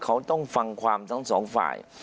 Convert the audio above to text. เขาต้องฟังความทั้งสองฝ่าย